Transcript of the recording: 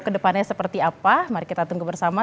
kedepannya seperti apa mari kita tunggu bersama